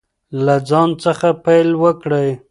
له ځان څخه پیل وکړئ.